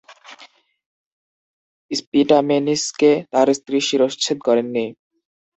স্পিটামেনিসকে তার স্ত্রী শিরশ্ছেদ করেননি।